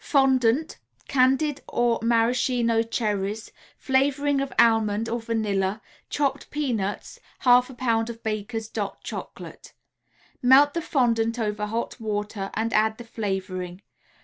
] Fondant, Candied or Maraschino cherries, Flavoring of almond or vanilla, Chopped peanuts, 1/2 a pound of Baker's "Dot" Chocolate. Melt the fondant over hot water and add the flavoring.